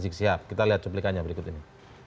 kita lihat cuplikannya berikut ini